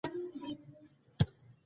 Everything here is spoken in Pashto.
چې په کور کې وو یو بل ته حرامېږي.